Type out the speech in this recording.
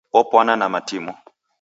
Opwana na matimo.